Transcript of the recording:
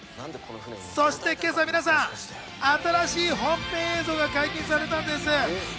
そして今朝、皆さん、新しい本編映像が解禁されたんです。